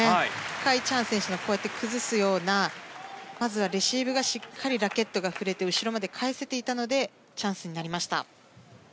カ・イチハン選手のこういった崩すようなしっかりラケットが振れて後ろまで返せていたのでチャンスになりました。